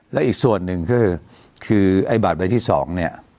และอีกส่วนหนึ่งก็คือคือไอ้บัตรใบที่๒เนี่ย